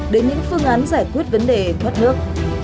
đến những phương án giải quyết vấn đề thoát nước